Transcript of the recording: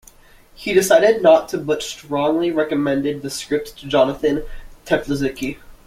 He decided not to but strongly recommended the script to Jonathan Teplitzky.